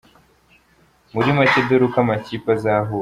Muri make dore uko amakipe azahura:.